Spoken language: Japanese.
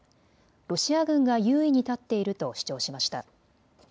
ロシア軍が優位に立っていると主張しました。